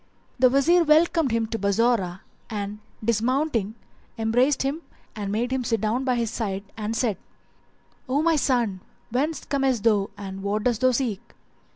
The Wazir welcomed him to Bassorah and dismounting, embraced him and made him sit down by his side and said, "O my son, whence comest thou and what dost thou seek?"